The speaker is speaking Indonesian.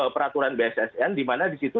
peraturan bssn dimana di situ